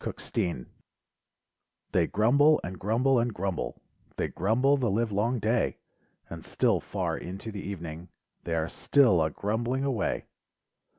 GRUMBLERS They grumble and grumble and grumble; They grumble the live long day, And .still far into the evening They are still a grumbling away.